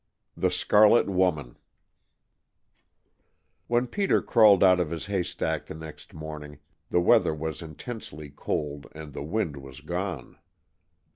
THE SCARLET WOMAN WHEN Peter crawled out of his haystack the next morning the weather was intensely cold and the wind was gone.